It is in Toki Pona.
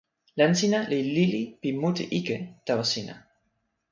len sina li lili pi mute ike tawa sina.